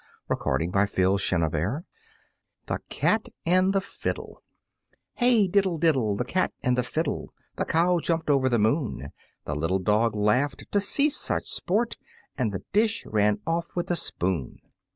[Illustration: The Cat and the Fiddle] The Cat and the Fiddle Hey, diddle, diddle, The cat and the fiddle, The cow jumped over the moon! The little dog laughed To see such sport, And the dish ran off with the spoon!